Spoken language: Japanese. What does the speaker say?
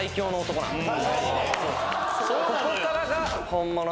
ここからが。